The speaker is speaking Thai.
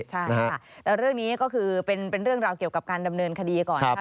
ใช่ค่ะแต่เรื่องนี้ก็คือเป็นเรื่องราวเกี่ยวกับการดำเนินคดีก่อนนะครับ